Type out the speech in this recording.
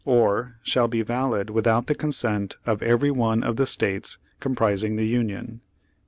Page Forty five or shall be valid without the consent of every one of the States composing the Union.